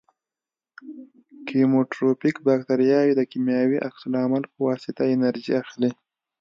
کیموټروفیک باکتریاوې د کیمیاوي عکس العمل په واسطه انرژي اخلي.